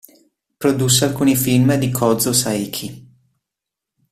Produsse alcuni film di Kōzō Saeki.